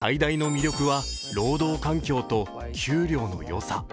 やはり最大の魅力は労働環境と給料のよさ。